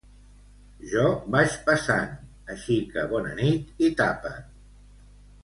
Jo vaig passant, així que bona nit i tapa't.